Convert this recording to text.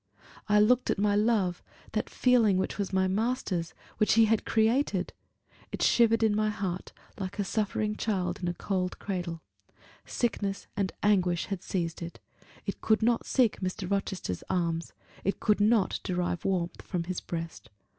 I looked at my love, that feeling which was my master's which he had created: it shivered in my heart, like a suffering child in a cold cradle; sickness and anguish had seized it; it could not seek Mr. Rochester's arms it could not derive warmth from his breast.